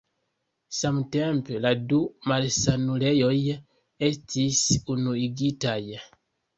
Samtempe la du malsanulejoj estis unuigitaj.